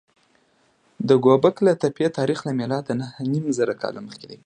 د ګوبک لي تپې تاریخ له میلاده نههنیمزره کاله مخکې دی.